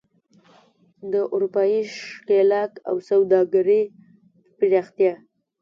د اروپايي ښکېلاک او سوداګرۍ پراختیا.